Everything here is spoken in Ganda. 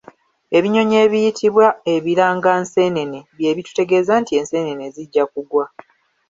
Ebinyonyi ebiyitibwa “Ebiranganseenene” bye bitutegeeza nti enseenene zijja kugwa.